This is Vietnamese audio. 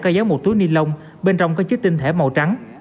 có giống một túi ni lông bên trong có chiếc tinh thẻ màu trắng